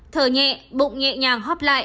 thở nhẹ bụng nhẹ nhàng